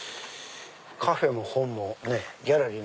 カフェも本もギャラリーも。